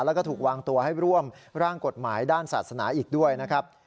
แล้วก็ถูกวางตัวให้ร่วมร่างกฎหมายด้านศาสนาอีกด้วยนะครับ